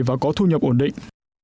và có thu nhập ổn định